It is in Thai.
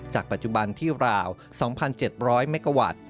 ปัจจุบันที่ราว๒๗๐๐เมกาวัตต์